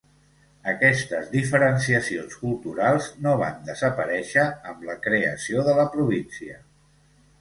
Aquestes diferenciacions culturals no van desaparèixer amb la creació de la província.